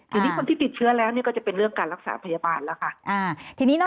ทีนี้คนที่ติดเชื้อแล้วก็จะเป็นเรื่องการรักษาพยาบาลแล้วค่ะ